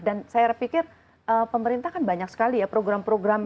dan saya pikir pemerintah kan banyak sekali ya program program